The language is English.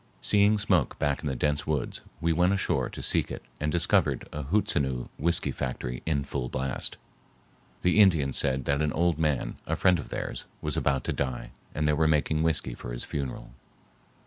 Seeing smoke back in the dense woods, we went ashore to seek it and discovered a Hootsenoo whiskey factory in full blast. The Indians said that an old man, a friend of theirs, was about to die and they were making whiskey for his funeral.